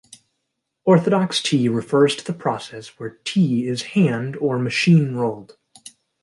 Orthodox tea refers to the process where tea is hand- or machine-rolled.